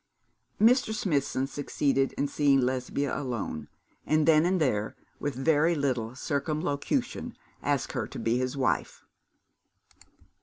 Mr. Smithson succeeded in seeing Lesbia alone, and then and there, with very little circumlocution, asked her to be his wife.